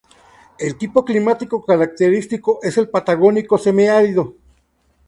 El tipo climático característico es el Patagónico Semiárido.